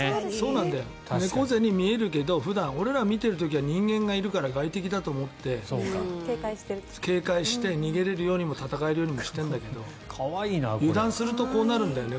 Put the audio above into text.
猫背に見えるけど普段、俺らが見ている時は人間がいるから外敵だと思って警戒して逃げれるようにも戦えるようにもしてるんだけど油断するとこうなるんだよ。